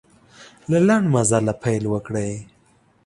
له لنډ مزله پیل وکړئ.